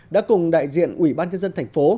đã cùng đại diện ủy ban nhân dân tp